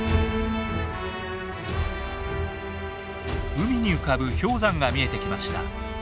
海に浮かぶ氷山が見えてきました。